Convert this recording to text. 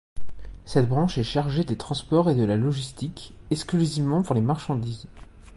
Cette branche est chargée des transports et de la logistique, exclusivement pour les marchandises.